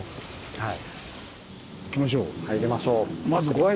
はい。